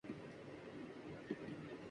جہاں پرانے دنوں میں اچھی کتابیں میسر ہوتی تھیں۔